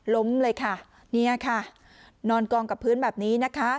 ล้มเลยค่ะเนี่ยค่ะนอนกองกับพื้นแบบนี้นะคะ